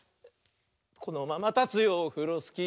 「このままたつよオフロスキー」